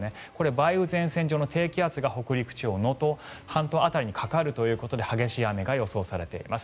梅雨前線上の低気圧が北陸地方、能登半島辺りにかかるということで激しい雨が予想されています。